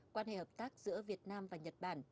quan hệ hợp tác giữa việt nam và nhật bản